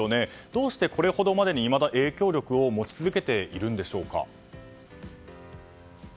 どうして、これほどまでにいまだ影響力を持ち続けているんでしょうか。